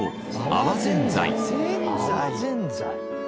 「あわぜんざい」